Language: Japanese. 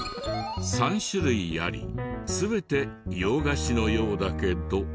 ３種類あり全て洋菓子のようだけど。